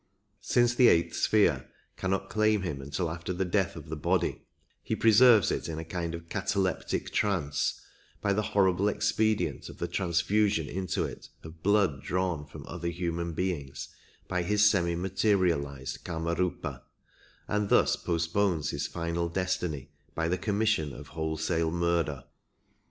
Since the eighth sphere cannot claim him until after the death of the body, he preserves it in a kind of cataleptic trance by the horrible expedient of the trans fusion into it of blood drawn from other human beings by his semi materialized K^mardpa, and thus postpones his final destiny by the commission of wholesale murder.